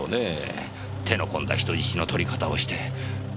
手の込んだ人質の取り方をして何を一体。